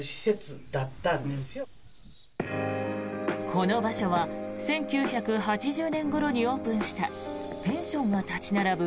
この場所は１９８０年ごろにオープンしたペンションが立ち並ぶ